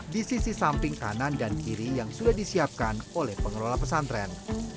di sisi samping kanan dan kiri yang sudah disiapkan oleh pengelola pesantren